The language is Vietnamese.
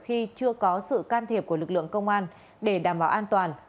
khi chưa có sự can thiệp của lực lượng công an để đảm bảo an toàn